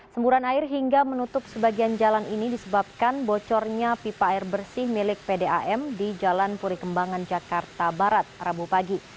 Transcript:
semburan air hingga menutup sebagian jalan ini disebabkan bocornya pipa air bersih milik pdam di jalan puri kembangan jakarta barat rabu pagi